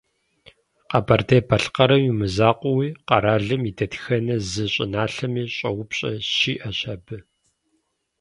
Къэбэрдей-Балъкъэрым имызакъуэуи, къэралым и дэтхэнэ зы щӏыналъэми щӏэупщӏэ щиӏэщ абы.